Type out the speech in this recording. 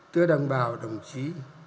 thưa đồng bào đồng chí